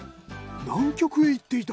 南極へ行っていた！？